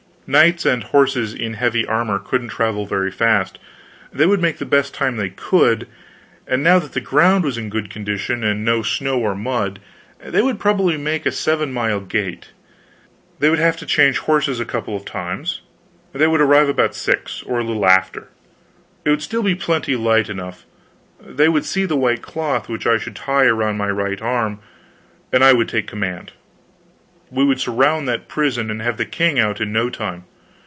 Knights and horses in heavy armor couldn't travel very fast. These would make the best time they could, and now that the ground was in good condition, and no snow or mud, they would probably make a seven mile gait; they would have to change horses a couple of times; they would arrive about six, or a little after; it would still be plenty light enough; they would see the white cloth which I should tie around my right arm, and I would take command. We would surround that prison and have the king out in no time.